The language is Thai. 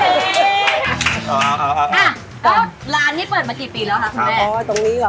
แล้วร้านนี้เปิดมากี่ปีแล้วคะทุกแม่